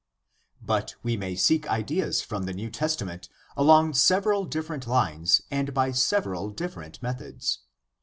But we may seek ideas from the New Testament along several different lines and by several different methods.